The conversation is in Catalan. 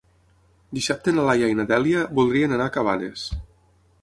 Dissabte na Laia i na Dèlia voldrien anar a Cabanes.